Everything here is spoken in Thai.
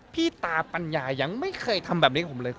พี่ตาปัญญายังไม่เคยทำแบบนี้ผมเลย